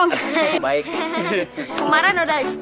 ini kaki kita ini bang